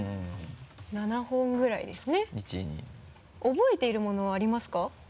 覚えているものありますか？